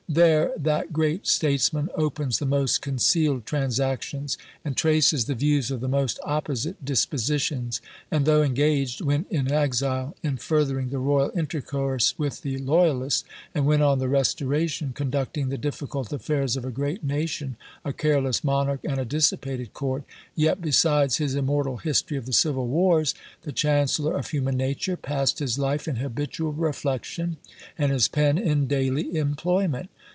There that great statesman opens the most concealed transactions, and traces the views of the most opposite dispositions; and, though engaged, when in exile, in furthering the royal intercourse with the loyalists, and when, on the Restoration, conducting the difficult affairs of a great nation, a careless monarch, and a dissipated court, yet besides his immortal history of the civil wars, "the chancellor of human nature" passed his life in habitual reflection, and his pen in daily employment.